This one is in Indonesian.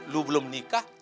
lu belum nikah